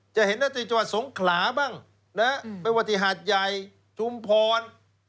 จะเห็นนัฐิจัวร์สงขลาบ้างไปวัฒนิษฐ์ใหญ่ทุมพร